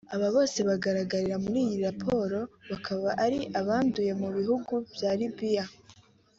Aba bose bagaragara muri iyi raporo bakaba ari abanduriye mu bihugu bya Liberia